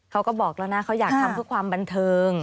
เขาบอกแล้วนะเขาอยากทำเพื่อความบันเทิง